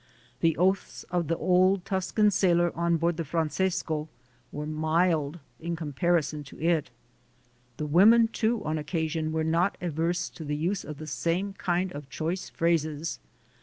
The oaths of the old Tuscan sailor on board the Francesco were mild in comparison to it. The women too, on occasion, were not averse to the use of the same kind of choice phrases.